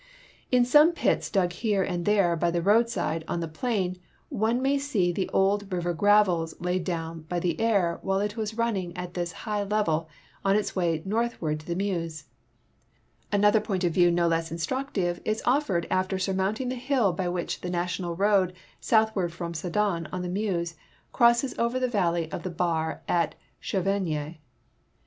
In some pits dug here and there by the road side on the plain one may see the old river gravels laid down by the Aire while it was running at this high level on its way north ward to the INIeuse. Another point of view no less instructive is offered after surmounting the hill by which the national road soutliward from Sedan, on the Meuse, crosses over to the valley of the Bar at Chevenges.